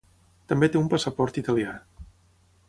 També té un passaport italià.